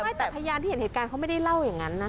ไม่แต่พยานที่เห็นเหตุการณ์เขาไม่ได้เล่าอย่างนั้นนะ